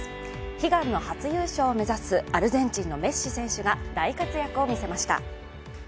悲願の初優勝を目指すアルゼンチンのメッシ選手が大活躍を見せました。